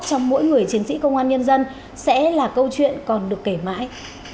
trong mỗi người chiến sĩ công an nhân dân sẽ là câu chuyện còn được kể mãi